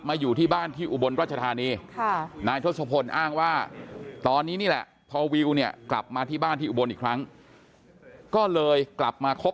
มาอยู่ที่บ้านที่อุบลราชธานีนายทศพลอ้างว่าตอนนี้นี่แหละ